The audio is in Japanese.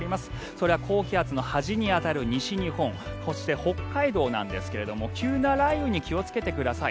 それは高気圧の端に当たる西日本そして北海道なんですが急な雷雨に気をつけてください。